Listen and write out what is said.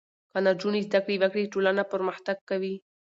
که نجونې زده کړې وکړي ټولنه پرمختګ کوي.